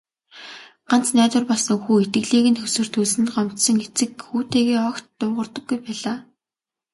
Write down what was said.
Ганц найдвар болсон хүү итгэлийг нь хөсөрдүүлсэнд гомдсон эцэг хүүтэйгээ огт дуугардаггүй байлаа.